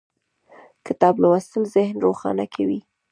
کتاب لوستل ذهن روښانه کوي